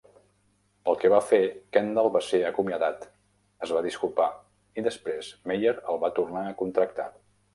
Pel que va fer, Kendall va ser acomiadat, es va disculpar, i després Meyer el va tornar a contractar.